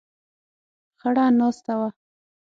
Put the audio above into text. خړه ناسته وه.